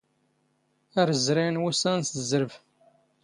ⴰⵔ ⵣⵣⵔⴰⵢⵏ ⵡⵓⵙⵙⴰⵏ ⵙ ⵣⵣⵔⴱ.